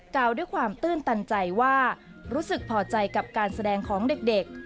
กล่าวด้วยความตื้นตันใจว่ารู้สึกพอใจกับการแสดงของเด็ก